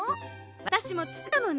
わたしもつくったもの。